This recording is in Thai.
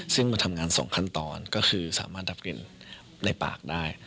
ซึ่งมันทำงาน๒ขั้นตอนก็คือสามารถดับกลิ่นในปากได้